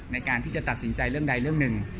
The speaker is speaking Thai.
ในการที่จะตัดสินใจเรื่องใดเรื่องหนึ่ง